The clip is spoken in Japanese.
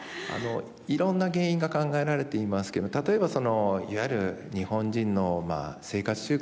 いろんな原因が考えられていますけど例えばいわゆる日本人の生活習慣ですね。